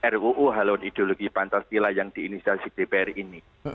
ruu halon ideologi pancasila yang diinisiasi dpr ini